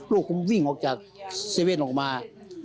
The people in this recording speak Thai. ลูกมันวิ่งออกจากเซเว่นออกมา